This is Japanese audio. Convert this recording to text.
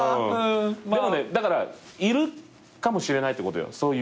でもねだからいるかもしれないってことよ。